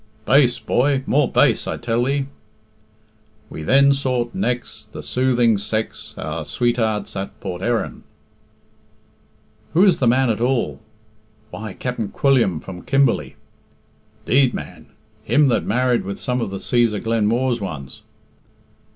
"Bass, boy more bass, I tell thee." "We then sought nex' The soothing sex, Our swatearts at Port Erin." "Who is the man at all?" "Why, Capt'n Quilliam from Kimberley." "'Deed, man! Him that married with some of the Cæsar Glenmooar's ones?"